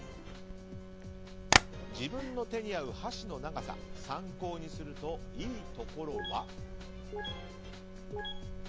自分の手に合う箸の長さ参考にするといいところは。